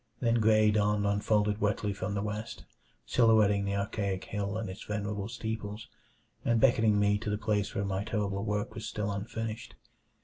Then gray dawn unfolded wetly from the east, silhouetting the archaic hill and its venerable steeples, and beckoning me to the place where my terrible work was still unfinished.